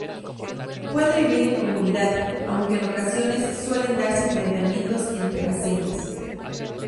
Puede vivir en comunidad, aunque en ocasiones suelen darse enfrentamientos entre las hembras.